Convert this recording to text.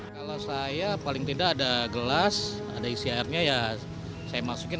kalau saya paling tidak ada gelas ada isi airnya ya saya masukin